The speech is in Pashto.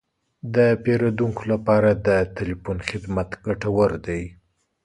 د پیرودونکو لپاره د تلیفون خدمت ګټور دی.